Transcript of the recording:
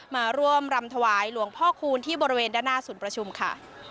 มาร่วมรำถวายหลวงพ่อคูณที่บริเวณด้านหน้าศูนย์ประชุมค่ะ